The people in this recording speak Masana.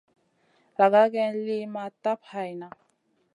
Laga geyn liyn ma tap hayna.